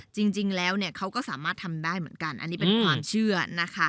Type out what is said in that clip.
จริงแล้วเนี่ยเขาก็สามารถทำได้เหมือนกันอันนี้เป็นความเชื่อนะคะ